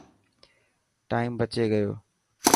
ٽائم بچي گيو.